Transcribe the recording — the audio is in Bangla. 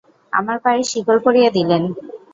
আমার পায়ে শিকল পরিয়ে দিলেন।